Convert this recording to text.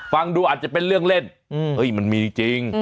ฟังดูอาจจะเป็นเรื่องเล่นมันมีจริง